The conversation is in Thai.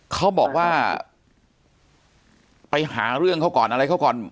เขาบอกว่าไปหาเรื่องเขาก่อนอะไรเขาก่อน